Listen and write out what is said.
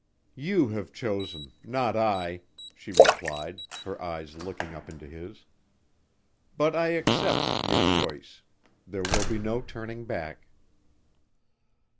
"You have chosen not I," she replied, her eyes looking up into his. "But I accept ... your choice ... there will be no turning back."